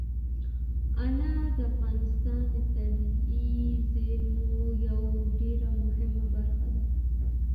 انار د افغانستان د طبیعي زیرمو یوه ډېره مهمه برخه ده.